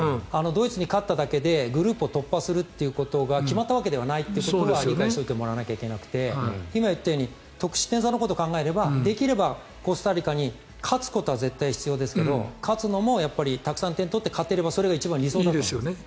ドイツに勝っただけではグループを突破するということが決まったわけではないってことは理解しておいてもらわなきゃいけなくて今言ったように得失点差のことを考えればできればコスタリカに勝つことは絶対必要ですけど勝つのもたくさん点を取って勝てればそれが一番理想なんです。